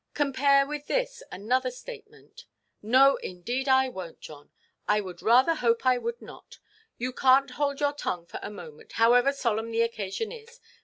Compare with this another statement——" "No, indeed I wonʼt, John. I should rather hope I would not. You canʼt hold your tongue for a moment, however solemn the occasion is.